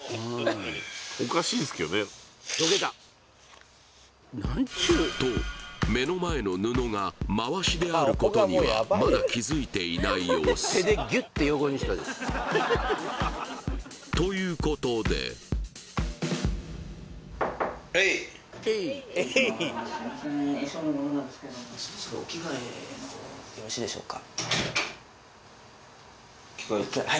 おかしいっすけどねどけたと目の前の布がまわしであることにはまだ気づいていない様子ということで大丈夫ですか？